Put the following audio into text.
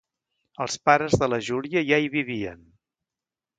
Els pares de la Júlia ja hi vivien.